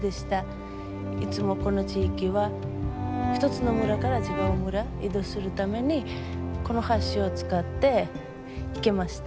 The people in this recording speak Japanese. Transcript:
いつもこの地域は一つの村から違う村移動するためにこの橋を使って行きました。